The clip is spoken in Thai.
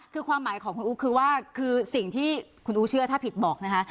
คือความหมายของคุณอู๋คือว่าคือสิ่งที่คุณอู๋เชื่อถ้าผิดบอกนะคะ